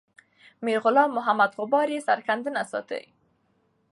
میرغلام محمد غبار یې سرښندنه ستایي.